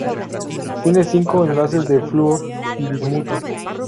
Tiene cinco enlaces de flúor y bismuto.